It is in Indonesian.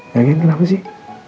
yaudah kenapa sih